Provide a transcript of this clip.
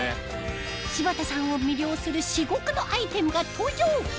柴田さんを魅了する至極のアイテムが登場！